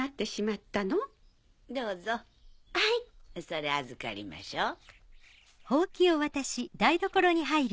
それ預かりましょう。